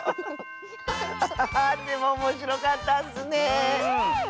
ハハハーでもおもしろかったッスね！